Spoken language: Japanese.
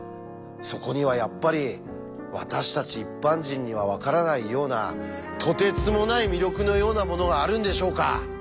そこにはやっぱり私たち一般人には分からないようなとてつもない魅力のようなものがあるんでしょうか？